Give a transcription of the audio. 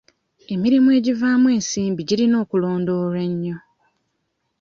Emirimu egivaamu ensimbi girina okulondoolwa ennyo.